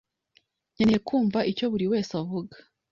nkeneye kumva icyo buri wese avuga.